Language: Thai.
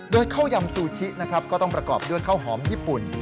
โดยข้าวยำซูชินะครับก็ต้องประกอบด้วยข้าวหอมญี่ปุ่น